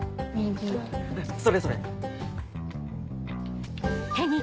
それそれ。